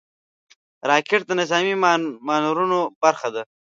راکټ د نظامي مانورونو برخه ده